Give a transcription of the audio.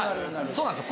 そうなんです。